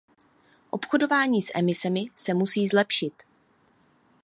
Obchodování s emisemi se musí zlepšit.